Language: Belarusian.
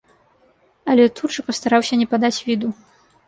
Але тут жа пастараўся не падаць віду.